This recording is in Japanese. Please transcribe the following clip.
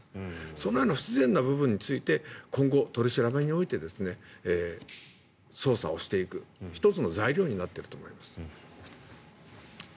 そのような不自然な部分について今後、取り調べにおいて捜査をしていく１つの材料になっていくと思います。